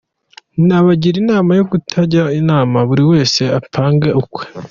Nabagira inama yo kutajya inama, buri wese apange ukwe.